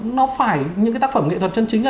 nó phải những cái tác phẩm nghệ thuật chân chính ở